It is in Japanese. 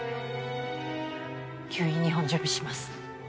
吸引２本準備します